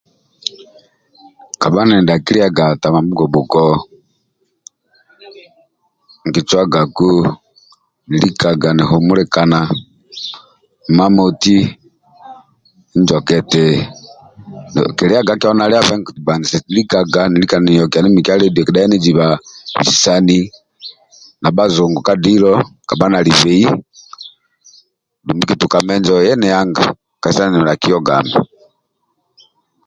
Kabha ninidhaki liaga tama bugobugo nkicwagaku nilikaga nihumulikana imamoti nijoka eti kaliaga kyalo naliabe kilikaga niniokiani mikia ledio kedha yenijiba bisisani ndia bhajungu ka dilo kabha nalibei ndia bhajungu kabha nalibei dumbi kituka menjo yeni anga kabha ninidhaki ogami